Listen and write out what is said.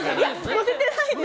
乗せてないです！